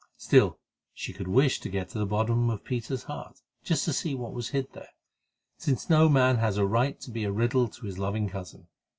Still, she could wish to get to the bottom of Peter's heart, just to see what was hid there, since no man has a right to be a riddle to his loving cousin.